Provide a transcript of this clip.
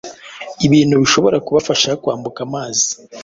ibintu bishobora kubafasha kwambuka Amazi